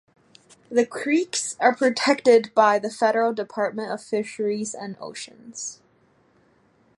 The creeks are protected by the federal Department of Fisheries and Oceans.